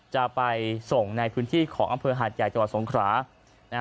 จะไปส่งในพื้นที่ของอำเภอหาดใหญ่จังหวัดสงครา